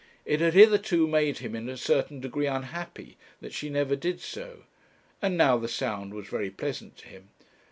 It had hitherto made him in a certain degree unhappy that she never did so, and now the sound was very pleasant to him.